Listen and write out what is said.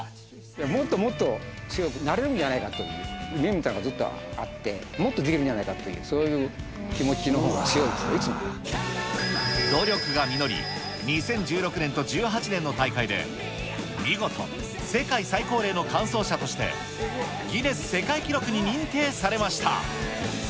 もっともっと強くなれるんじゃないかという夢みたいなのがずっとあって、もっとできるんじゃないかっていう、そういう気持ちのほうが強い努力が実り、２０１６年と１８年の大会で、見事、世界最高齢の完走者として、ギネス世界記録に認定されました。